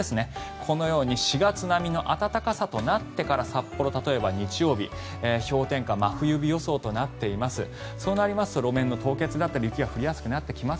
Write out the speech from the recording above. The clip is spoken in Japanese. このように４月並みの暖かさとなってから札幌、例えば日曜日氷点下、真冬日予想となっています。